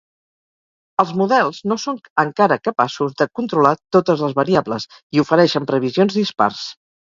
Els models no són encara capaços de controlar totes les variables i ofereixen previsions dispars.